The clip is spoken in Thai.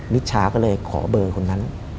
มิชชาก็เลยขอเบอร์คนนั้น